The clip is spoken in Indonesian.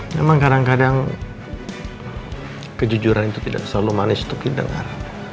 memang kadang kadang kejujuran itu tidak selalu manis untuk didengar